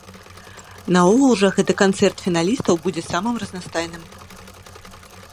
Наогул жа гэты канцэрт фіналістаў будзе самым разнастайным.